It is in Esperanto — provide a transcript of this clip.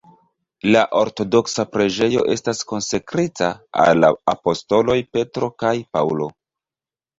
La ortodoksa preĝejo estas konsekrita al la apostoloj Petro kaj Paŭlo.